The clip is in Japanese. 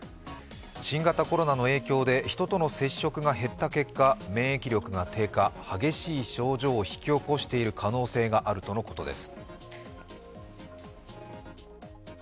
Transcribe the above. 新型コロナの影響で人との接触が減った結果、免疫力が低下、激しい症状を引き起こしている可能性があるとのことです。